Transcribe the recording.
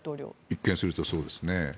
一見するとそうですね。